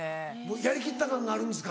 やりきった感があるんですか。